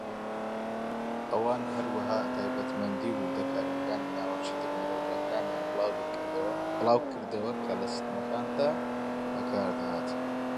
ئەوان هەروەها تایبەتمەندی و وردەکارییەکانی ناوەکی تەکنەلۆجیاکانیان بڵاوکردەوە کە لە سیستەمەکاندا بەکاردەهات.